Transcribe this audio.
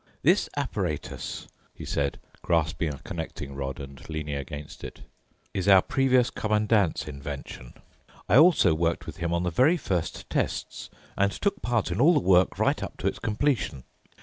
"This apparatus," he said, grasping a connecting rod and leaning against it, "is our previous Commandant's invention. I also worked with him on the very first tests and took part in all the work right up to its completion.